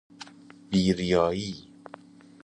بیریائی